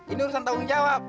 ini urusan tanggung jawab